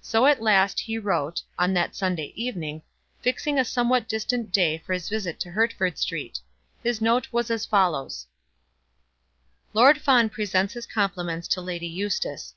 So, at last, he wrote, on that Sunday evening, fixing a somewhat distant day for his visit to Hertford Street. His note was as follows: Lord Fawn presents his compliments to Lady Eustace.